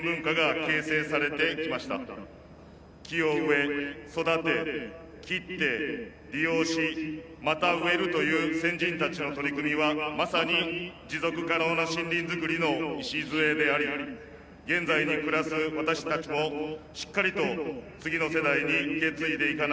木を植え育て伐って利用しまた植えるという先人たちの取り組みはまさに持続可能な森林づくりの礎であり現在に暮らす私たちもしっかりと次の世代に受け継いでいかなければなりません。